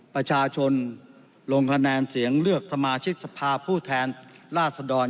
ประชาชนลงคะแนนเสียงเลือกสมาชิกสภาพผู้แทนราชดร